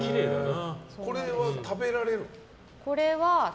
これは食べられる？